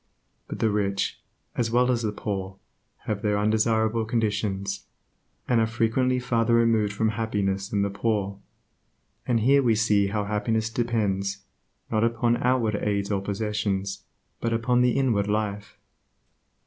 But the rich, as well as the poor, have their undesirable conditions, and are frequently farther removed from happiness than the poor. And here we see how happiness depends, not upon outward aids or possessions, but upon the inward life.